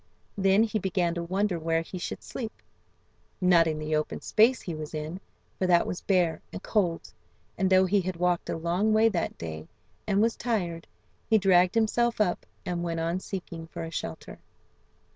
Then he began to wonder where he should sleep. Not in the open space he was in, for that was bare and cold, and though he had walked a long way that day, and was tired, he dragged himself up, and went on seeking for a shelter.